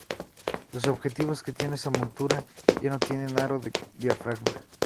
Los objetivos que tienen esta montura ya no tienen aro de diafragma.